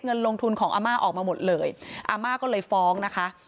เงินลงทุนของอาม่าออกมาหมดเลยอาม่าก็เลยฟ้องนะคะ